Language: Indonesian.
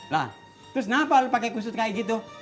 lah terus kenapa lo pakai kusut kayak gitu